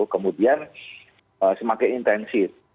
kemudian semakin intensif